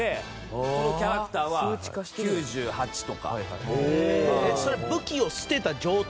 このキャラクターは９８とか。